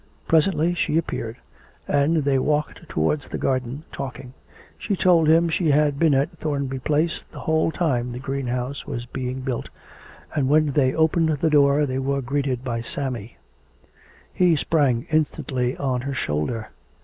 Presently she appeared, and they walked towards the garden, talking. She told him she had been at Thornby Place the whole time the greenhouse was being built, and when they opened the door they were greeted by Sammy, He sprang instantly on her shoulder.